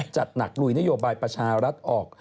จัดหนักลุยนโยบายประชารัฐออก